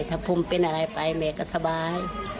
ถ้าผมเป็นอะไรไปแม่ก็สบาย